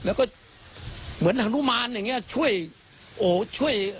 แล้วก็เหมือนฮานุมานอย่างเงี้ยช่วยโอ้ช่วย